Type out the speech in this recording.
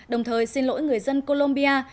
đồng thời xin lỗi người dân colombia